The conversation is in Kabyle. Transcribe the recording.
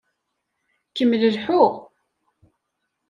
Kemmel lḥu.